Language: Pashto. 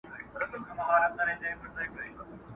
د هر چا به وي لاسونه زما ګرېوان کي٫